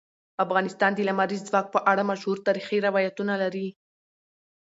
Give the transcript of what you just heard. افغانستان د لمریز ځواک په اړه مشهور تاریخی روایتونه لري.